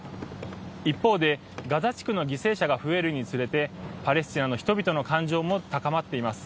一方でガザ地区の犠牲者が増えるに従ってパレスチナの人々の感情も高まっています。